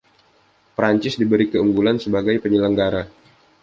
Prancis diberi keunggulan sebagai penyelenggara.